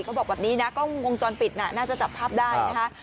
เขาบอกแบบนี้นะกล้องวงจรปิดน่ะน่าจะจับภาพได้นะคะ